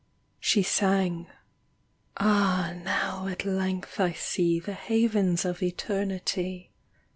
'A She sang : H now at length I see The havens of Eternity.